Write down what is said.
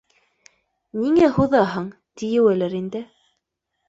Ниңә һуҙаһың, тиеүелер инде